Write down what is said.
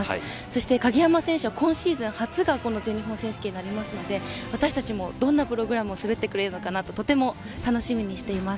そして鍵山選手は今シーズン初がこの全日本選手権になりますので私たちもどんなプログラムを滑ってくれるのかなととても楽しみにしています。